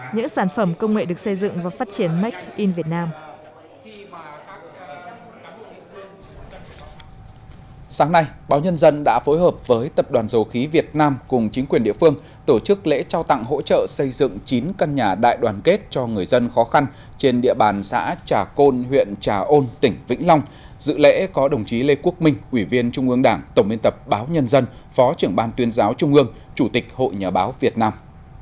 những sản phẩm công nghệ được xây dựng và phát triển make in việt nam